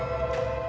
ya sudah pak